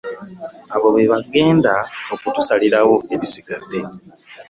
Abo be bagenda okutusalirawo ebisigadde.